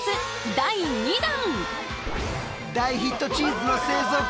第２弾！